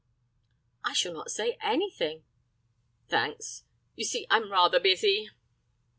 "I shall not say anything." "Thanks. You see, I'm rather busy."